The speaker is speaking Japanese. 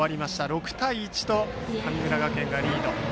６対１と神村学園がリード。